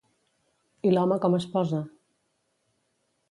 I l'home com es posa?